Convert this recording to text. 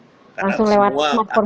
langsung lewat platform lainnya